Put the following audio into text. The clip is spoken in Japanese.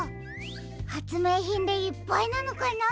はつめいひんでいっぱいなのかな？